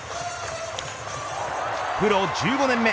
プロ１５年目